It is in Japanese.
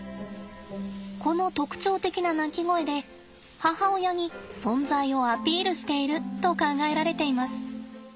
この特徴的な鳴き声で母親に存在をアピールしていると考えられています。